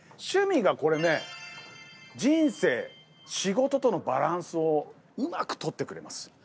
趣味がこれね人生仕事とのバランスをうまく取ってくれます。